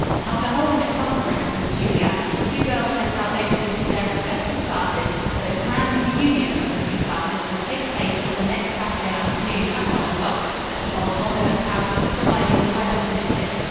After holding a conference with Julia, the two girls sent out notices to their respective classes that a grand reunion of the two classes would take place on the next Saturday afternoon at one o'clock, at the old Omnibus House, providing the weather permitted.